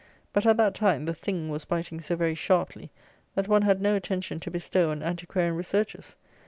But, at that time, the THING was biting so very sharply that one had no attention to bestow on antiquarian researches.